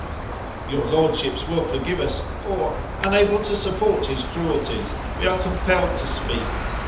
Your lordships will forgive us; for, unable to support his cruelties, we are compelled to speak.